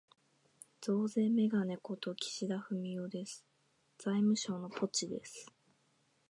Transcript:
増税めがね事、岸田文雄です。財務省のポチです。